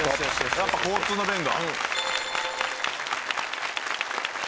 やっぱ交通の便だ。